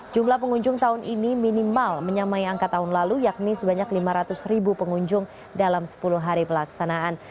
jumlah pengunjung tahun ini minimal menyamai angka tahun lalu yakni sebanyak lima ratus ribu pengunjung dalam sepuluh hari pelaksanaan